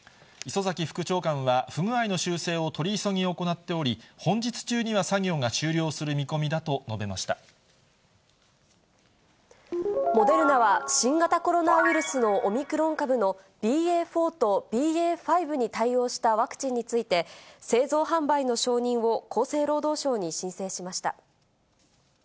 磯崎副長官は不具合の修正を取り急ぎ行っており、本日中には作業モデルナは、新型コロナウイルスのオミクロン株のＢＡ．４とＢＡ．５に対応したワクチンについて、製造販売の承認を厚生労働省に申請しました。